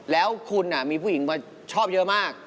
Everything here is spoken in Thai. แล้วคุณมีผู้หญิงมาชอบเยอะมาก